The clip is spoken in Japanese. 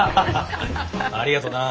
ありがとな。